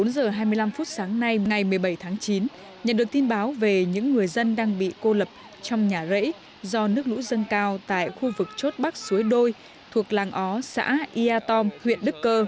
bốn giờ hai mươi năm phút sáng nay ngày một mươi bảy tháng chín nhận được tin báo về những người dân đang bị cô lập trong nhà rẫy do nước lũ dâng cao tại khu vực chốt bắc suối đôi thuộc làng ó xã ia tom huyện đức cơ